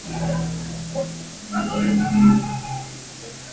La fuente es de fundición de hierro encargada por catálogo y traída de Europa.